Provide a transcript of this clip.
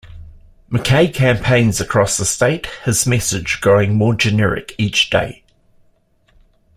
McKay campaigns across the state, his message growing more generic each day.